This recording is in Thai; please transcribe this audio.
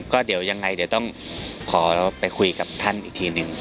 ก็เดี๋ยวยังไงเดี๋ยวต้องขอไปคุยกับท่านอีกทีหนึ่ง